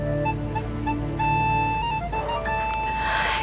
enggak punya pekerjaan